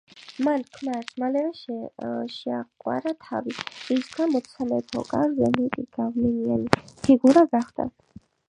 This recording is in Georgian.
მან ქმარს მალევე შეაყვარა თავი, რის გამოც სამეფო კარზე მეტად გავლენიანი ფიგურა გახდა.